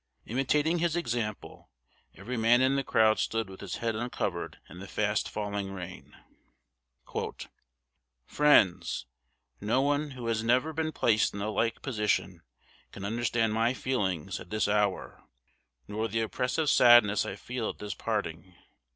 Imitating his example, every man in the crowd stood with his head uncovered in the fast falling rain. "Friends, No one who has never been placed in a like position can understand my feelings at this hour, nor the oppressive sadness I feel at this parting.